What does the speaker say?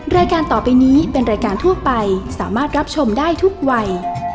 รายการต่อไปนี้เป็นรายการทั่วไปสามารถรับชมได้ทุกวัย